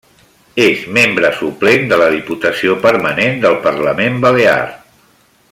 És membre suplent de la Diputació Permanent del Parlament Balear.